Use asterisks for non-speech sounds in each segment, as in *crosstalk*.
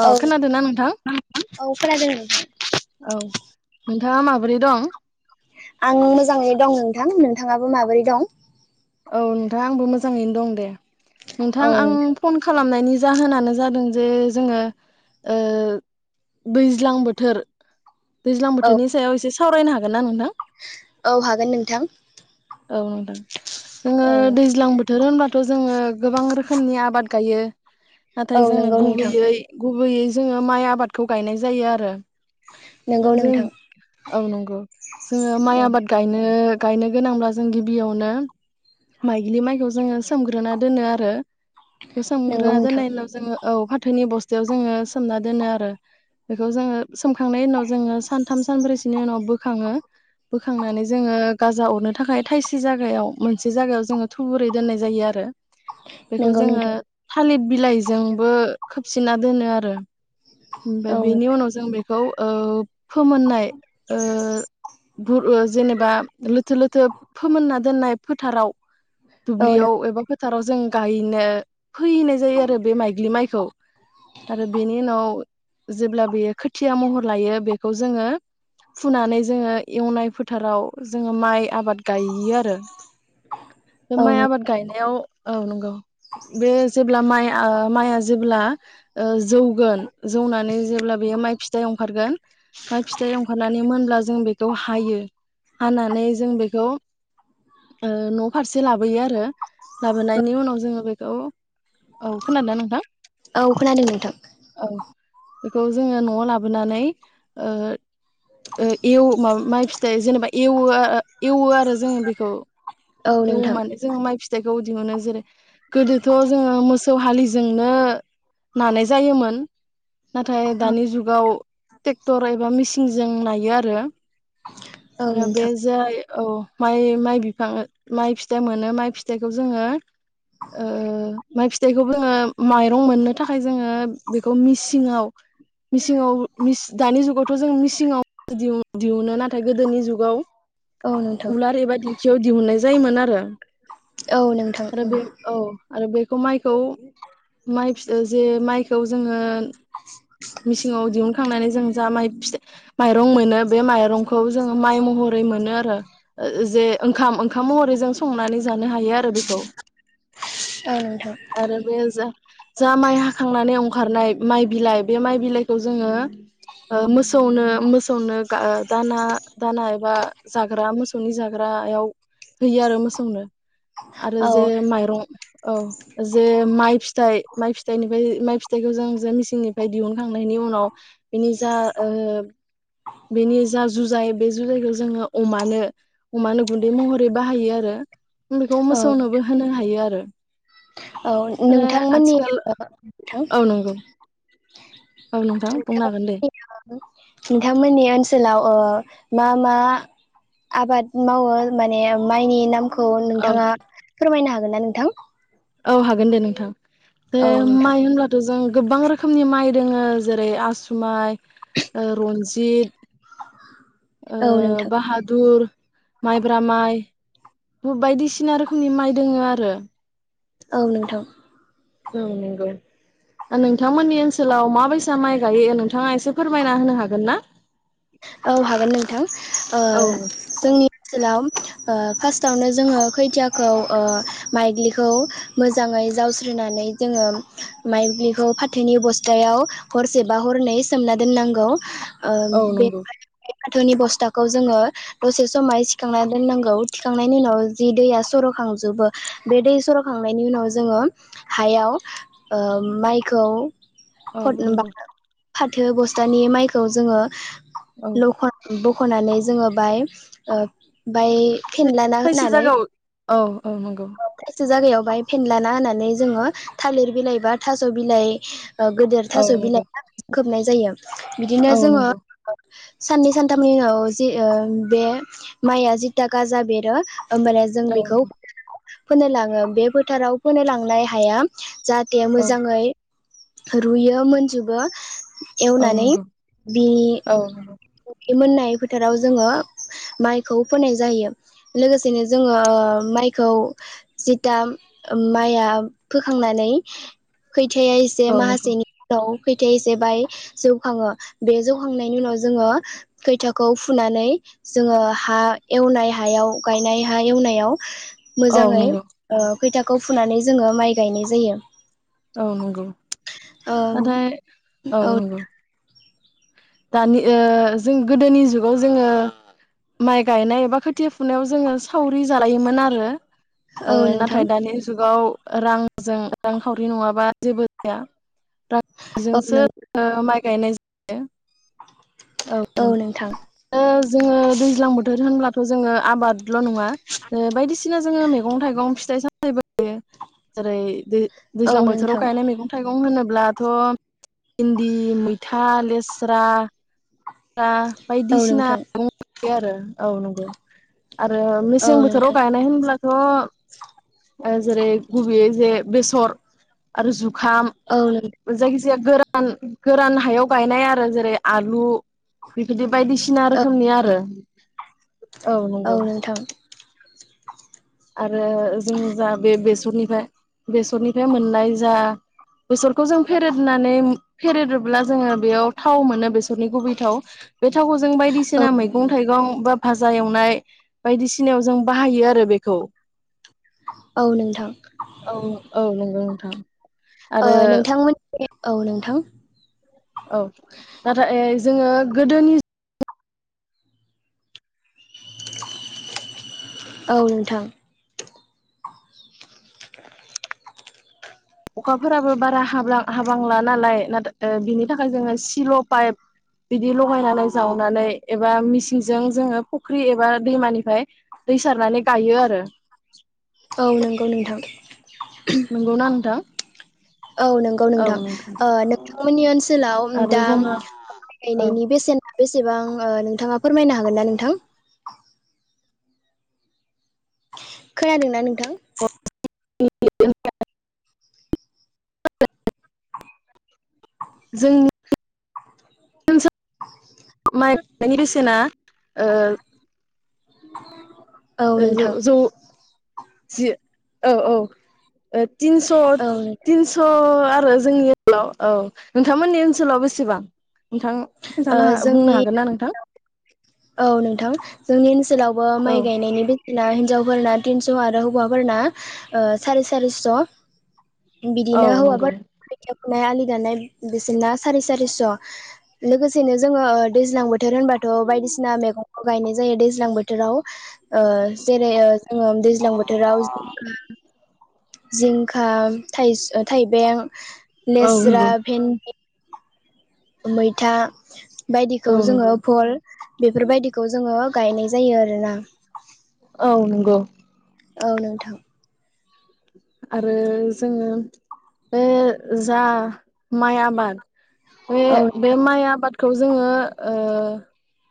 अ खोनादोंना नोंथां औ औ खोनादों नोंथां। औ नोंथाङा माबोरै दं। आं मोजाङै दं नोंथां नोंथाङाबो माबोरै दं। औ नोंथां आंबो मोजाङैनो दं दे। नोंथां औ आं फन खालामनायनि। जाहोनानो जादों जे जोङो ओ दैज्लां बोथोर। दैज्लां औ बोथोरनि सायाव एसे सावरायनो हागोन। हागोनना नोंथां। औ हागोन नोंथां। औ नोंथां जोङो औ दैज्लां बोथोर। थोर होनबाथ' जोंङो गोबां रोखोमनि आबाद गायो। औ नाथाय जोंनो नंगौ नोंथां गुबैयै गुबैयै। जोङो माइ आबादखौ गायनाय जायो आरो। नंगौ जों नोंथां औ नंगौ जोङो माइ औ आबाद गायनो। गायनो गोनांब्ला जों गिबियावनो। माइग्लि माइखौ जोङो सोमग्रोना दोनो आरो। नंगौ सोमग्रोना नोंथां दोननायनि उनाव जोङो औ फाथोनि बस्थायाव जोङो सोमना दोनो आरो बेखौ जोङो सोमखांनायनि उनाव जोङो सानथाम सानब्रैसोनि उनाव बोखांओ। बोखांनानै जोङो गाजा अरनो थाखाय थायसे जागायाव मोनसे जायगायाव जोङो थुबुरै दोननाय जायो आरो। बेखौ नंगौ जोङो नोंथां थालिद बिलाइजोंबो खोबसिना दोनो आरो। औ ओमफाय बेनि उनाव जों बे खौ ओप फोमोननाय ओ भुर ओ जेनेबा लोथो लोथो फोमोनना दोननाय फोथाराव। औ दुब्लियाव एबा फोथ थाराव जों गायनो फैनाय जायो आरो बे माइग्लि माइखौ आरो बेनि उनाव जेब्ला बेयो खोथिया महर लायो बेखौ जोङो फुनानै जोङो एवनाय फोथाराव जोङो माइ आबाद गाययो आरो बे औ माइ आबाद गायनायाव औ नंगौ बे जेब्ला माइ ओ माइआ जेब्ला ओ जौ जौनानै जेब्ला बेयो माइ फिथ जेआव ओंखारगोन माइ फिथाइ अंखारनानै मोनब्ला जों बे खौ हायो हानानै जों बेखौ ओ न फारसे लाबोयो आरो लाबोनायनि उनाव जोङो बेखौ औ खोनादो नोंथां। औ खोनादों नोंथां। औ बेखौ जोङो नआव लाबोनानै ओ ओ एव *unintelligible* माइ फिथाइ जेनेबा एवो आं एवो आरो जोङो बेखौ। औ एवो नोंथां माने जों माइ फिथ बेखौ दिहुनो जेरै गोदोथ जोङो मोस मोसौ हलिजोंनो नानाय जायोमोन नाथाय दानि जुगाव ट्रेक्टर एबा मिचिनजों नायो आरो। औ आरो बे नोंथां जाय औ माइ- माइ बिफां ओ माइ फिथाइ मोनो माइ फिथाइखौ जोङो ओ माइ फिथाइखौ जोङो माइरं मोननो थाखाय जोङो बेखौ मिसिंङाव मिसिंङाव मिस दानि जुगावथ जों मिसिङाव दिहुनो नाथाय गोदोनि जुगाव औ नोंथां उलार एबा दिंख याव दिहुननाय जायोमोन आरो। औ नोंथां आरो उम। बे औ आरो बेखौ माइखौ माइ फि जे माइखौ जोङो मिसिङाव दिहुनखांनानै जों जा माइ फिथ माइरं मोनो बे माइरंखौ जोङो माइ महरै मोनो आरो ओ जे ओंखाम ओं खाम महरै जों संनानै जानो हायो आरो बेखौ। ओ नोंथां। आरो बे जा जा माइ हाखांनानै अंखारनाय माइ बिलाइ बे माइ बिलाइखौ जोङो ओ मोसौनो मोसौनो दाना दाना एबा जाग्रा मोसौनि जाग्रायाव हैयो आरो मोसौनो। आरो औ जे माइरं औ जे माइ फिथाइ माइ फिथाइनिफ्राय माइ फिथाइखौ जों जे मिसिंनिफ्राय दिहुनखांनायनि उनाव बेनि जा ओ बेनि जा जुजाय बे जुजायखौ जोङो अमानो अमानो गुन दै महरै बाहायो आरो बेखौ औ मोसौनोबो होनो हायो आरो। औ ओमफ्राय नोंथांमोननि आथिखाल नोंथां औ नंगौ औ नोंथां बुंनो हागोन दे। नोंथांमोननि ओनसोलाव ओ मा मा आबाद मावो माने माइनि नाम खौ औ नोंथाङा फोरमायनो हा गोनना नोंथां? औ हागोन दे नोंथां। बे औ नोंथां माइ होनब्लाथ' जों गोबां रोखोमनि माइ दोङो जेरै आसुमाइ ओ रनजित ओ औ नोंथां बाहादुर माइब्रा माइ बायदिसिना रोखोमनि माइ दोङो आरो। औ नोंथां। औ नोंगौ नोंथांमोननि ओनसोलाव माबायसा माइ गायो, नोंथाङा एसे फोरमायना होनो हागोन ना? औ हागोन नोंथां ओ जोंनि ओनसोलाव ओ फार्स्टावनो जोङो खोथियाखौ ओ माइग्लिखौ मोजाङै जावस्रोनानै जोङो माइज्लिखौ फाथोनि बस्थायाव हरसे बा हरनै सोमना दोननांगौ। ओम औ बे नंगौ फाथोनि बस्थाखौ जोङो दसे समाय थिखांना दोननांगौ थिखांनायनि उनाव जि दैया सर'खांजोबो बे दै सर'खांनायनि उनाव जोङो हायाव ओ माइखौ औ नोंगौ। फाथो बस्थानि माइखौ औ जोङो *unintelligible* खनानै जोङो बाय ओ फाय फेनलाना थायसे होनानै जायगायाव औ अ' नंगौ। जागायाव बाहाय फेनलाना होननानै जोङो थालिर बिलाइ बा थास' बिलाइ ओ गेदेर औ थास' नंगौ बिलाइआ खोबनाय जायो बिदिनो औ जोङो नंगौ साननै सानथामनि उनाव जि ओ बे माइआ जिथा गाजा बेरो होमबाने जों औ बेखौ फोनो लाङो बे फोथाराव फोनो लांनाय हाया जाहे दे औ मोजाङै रुयो मोनजोबो औ एवनानै नंगौ बि औ नंगौ बे मोननाय फोथाराव जोङो माइखौ फोनाय जायो लोगोसेनो जोङो माइखौ जिता माइआ फोखांनानै खैथाया एसे औ नंगौ माहासेनि उनाव खैथाया एसेबाय जौखाङो बे जौखांनायनि उनाव जोङो खैथाखौ फुनानै जोङो हा एवनाय हायाव गायनाय हा एवनायाव औ मोजाङै नंगौ ओ खैथाखौ फुनानै जोङो माइ गायनाय जायो। औ नंगौ ओ नाथाय औ नंगौ। दानि ओ जों गोदोनि जुगाव जोङो माइ गायनाय बा खोथिया फुनायाव जोङो सावरि जालायोमोन आरो औ ओ नोंथां नाथाय दानि जुगाव रांजों रांखावरि नङाबा जेबो जाया। औ रजोंसो नों *unintelligible* माइ गायनाय जा *unintelligible* औ नोंथां। ओ जोङो दैज्लां बोथोर होनब्लाथ' जोङो आबाद ल नंङा ओ बायदि सिना जोंङो मैगं थाइगं फिथाय साम *unintelligible* ओरै औ दैज्लां बोथोराव नोंथां गायनाय मैगं थाइगं होनोब ब्लाथ' इनदि मै था लेस्रा औ बायदिसिना नोंथां *unintelligible* दि आरो औ नंगौ। आरो औ मेसें बोथोराव नोंथां गायनाय होनब्ला थ ओ जेरै गुबैयै जे बेसर आरो जुग खाम औ नों जायखि जाया गोरा रान गोरान हायाव गायनाय आरो जेरै आलु *unintelligible* दिप बायदिसिना रोखोमनि आरो। औ नंगौ। आरो जों जा बे बेस सरनिफ्राय बेसरनिफ्राय मोननाय जा बेसरखौ जों फेरेदनानै फेरेदोब्ला जोङो बेयाव थाव मोनो बेसरनि थौ बे थावखौ जों औ बायदिसिना मैगं थाइगं बा भाजा एवनाय बायदिसिनायाव जों बाहायो आरो बेखौ। औ नोंथां औ औ नंगौ। थां ओ नोंथांमोननि औ नोंथां। औ नाथाय जोङो गोदोनि औ नोंथां। अखाफोराबो बारा हाबलां हाबालां नालाय नाथाय बिनि थाखाय जोङो सिल' पाइप बिदि लगायनानै जावनानै एबा मिसिंजों जोङो फुख्रि एबा दैमानिफ्राय दै सारनानै गायो आरो। औ नंगौ नोंथां। नंगौना नोंथां औ नंगौ नोंथां ओ नोंथांमोननि ओनसोलाव आरो दा जोङो माइ औ गायनायनि बेसेना बेसेबां ओ नोंथाङा फोरमायनो हागोन ना नोंथां? खोनादोंना नोंथां? *unintelligible* जोंनि ओनसो माइ गायनायनि बेसेना ओ औ ओ ज' नोंथां ज' जि औ औ ओ तिनस' औ तिनस' आरो जोंनि ओनसोलाव औ नोंथांमोननि ओनसोलाव बेसेबां? नोंथां? खिनथानो ओ बुंनो जोंनि हागोन ना नोंथां? औ नोंथां जोंनि ओनस ओनसोलावबो औ माइ गायनायनि बे ना हिनजावफोरना तिनस' आरो हौवाफोरना ओ सारि सारिस'। औ बिदिनो नंगौ हौवाफोर खोथिया नाय आलि दान्नाय बिसोरना सारि सारिस' लोगोसेनो जोङो ओ दैज्लां बोथोर होनबाथ' बायदिसि सिना मैगंखौ गायनाय जायो दैज्लां बोथोराव। ओ जेरै ओ जोङो दैज्लां बोथोराव जिंखा जिंखा, थाइस ओ थाइबें, औ लेस्रा, नंगौ भेन्दि मैथा बायदिखौ औ जोङो नंगौ भ'ल बेफोरबायदिखौ जोङो गायनाय जायो आरोना। ग' औ नोंथां आरो जोङो बे जा माइ आबाद बे औ बे माइ आबाद खौ जोङो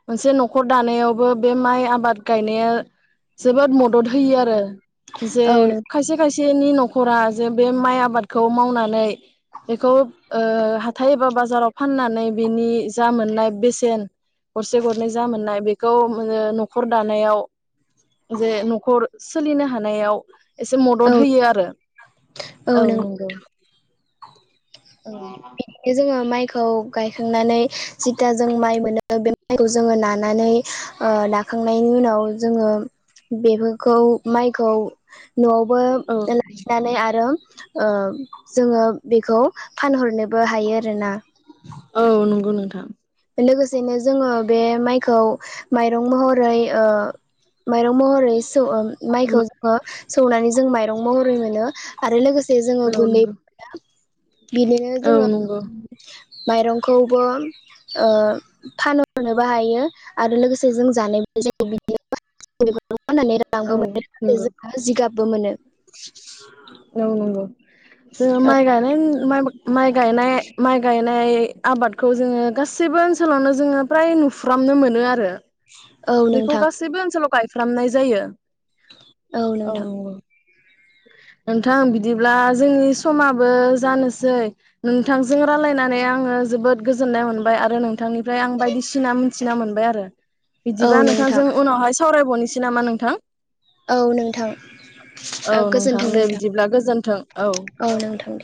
मोनसे न'खर दानायावबो बे माइ आबाद गायनाया जोबोद मदद होयो आरो जे औ नोंथां खायसे खायसे जोंनि न'खरा जे बे माइ आबादखौ मावनानै बेखौ हाथाय एबा बा जाराव फाननानै बेनि जा मोननाय बेसेन गरसे गरनै जा मोननाय बेखौ न'खर दानायाव जे न'खर सोलिनो हानायाव एसे औ मदद होयो आरो औ नंगौ औ खौ गायखांनानै जिथा जों माइ मोनो बे माइखौ जोङो नानानै ओ नाखांनायनि उनाव जोङो बेफोरखौ माइखौ न'आवबो औ लाखिनानै आरो ओ जोङो बेखौ फानहरनो बो हायो आरोना औ नंगौ नोंथां लोगोसेनो जोङो बे माइखौ माइरं महरै ओ माइरं महरै सौ माइखौ जोङो सौनानै जों माइरं महरै मोनो आरो लोगोसे जोङो औ गुन्दै नंगौ *inaudible* बिदिनो औ जोङो नंगौ माइरंखौबो ओ फानहरनो बाहायो आरो लोगोसे जों जानायबो *unintelligible* नानै औ रांबो मोनो नंगौ जोंहा जिगाब बो मोनो औ नंगौ। औ माय गायनाय *unintelligible* माइ गायनाय माइ गाय नाय आबादखौ जोङो गाससिबो ओनसोलावनो जोङो फ्राय नुफ्रामनो मोनो आरो। औ बेखौ नोंथां गासैबो ओनसोलाव गाय फ्रामनाय थारो। औ नोंथां नोंथां बिदिब्ला जोंनि समाबो जानोसै नोंथांजों रायलायनानै आङो जोबोद गोजोननाय मोनबाय आरो नोंथांनिफ्राय आं बायदिसिना मिथिना मोनबाय आरो। औ बिदिबा नोंथां नोंथांजों उनावहाय सावरायबावनो सै नामा नोंथां? औ नोंथां। औ नोंथां दे बिदिब्ला गोजोन्थों औ। नोंथां दे